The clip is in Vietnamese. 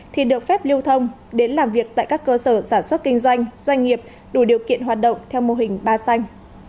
thì được phép lưu thông đến làm việc tại các cơ sở sản xuất kinh doanh doanh nghiệp đủ điều kiện hoạt động theo mô hình ba xanh